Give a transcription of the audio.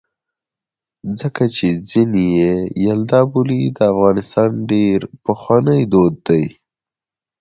څِله چې ځيني يې یلدا بولي د افغانستان ډېر پخوانی دود دی.